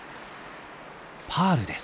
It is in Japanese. パールです。